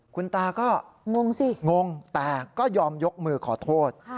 คุณตาก็งงสิงงแต่ก็ยอมยกมือขอโทษ